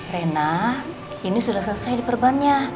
rena ini sudah selesai di perban nya